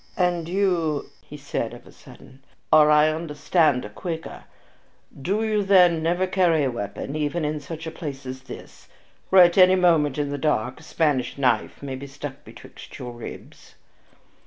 "And you," he said, of a sudden, "are, I understand it, a Quaker. Do you, then, never carry a weapon, even in such a place as this, where at any moment in the dark a Spanish knife may be stuck betwixt your ribs?"